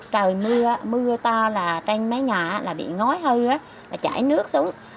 trời mưa mưa to là trên mấy nhà bị ngói hư chảy nước xuống